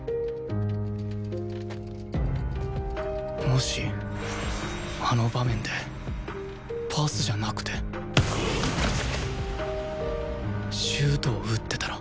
もしあの場面でパスじゃなくてシュートを撃ってたら